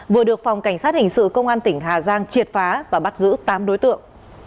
vừa được phòng cảnh sát hình sự công an tỉnh hà giang triệt phá và bắt giữ tám đối tượng